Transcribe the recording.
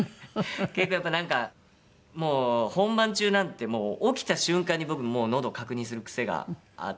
結構やっぱりなんかもう本番中なんて起きた瞬間に僕のどを確認する癖があって。